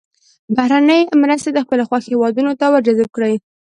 بهرنۍ مرستې د خپلې خوښې هېوادونو ته ور جذب کړي.